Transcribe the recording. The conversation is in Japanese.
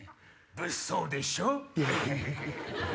物騒でしょ？